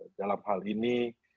bahwa dalam hal ini